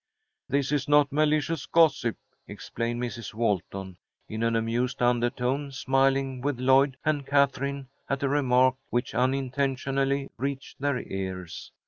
"This is not malicious gossip," explained Mrs. Walton, in an amused undertone, smiling with Lloyd and Katherine at a remark which unintentionally reached their ears.